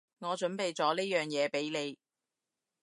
我準備咗呢樣嘢畀你